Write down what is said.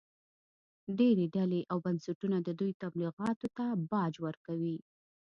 ډېرې ډلې او بنسټونه د دوی تبلیغاتو ته باج ورکوي